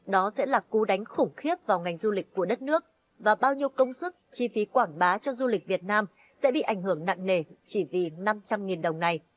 đó sẽ là cú đánh khủng khiếp vào ngành du lịch của đất nước và bao nhiêu công sức chi phí quảng bá cho du lịch việt nam sẽ bị ảnh hưởng nặng nề chỉ vì năm trăm linh đồng này